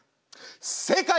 正解！